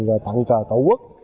rồi tặng trò tổ quốc